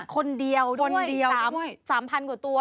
คนเดียวด้วย๓๐๐กว่าตัว